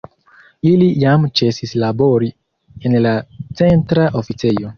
Ili jam ĉesis labori en la Centra Oficejo.